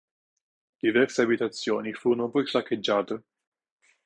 Diverse abitazioni furono poi saccheggiate.